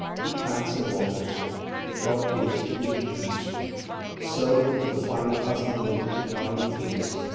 He plants and waters, but God gives the increase. So with the finer husbandman of diviner fields.